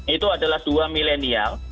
itu adalah dua milenial